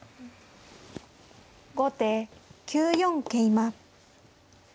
後手９四桂馬。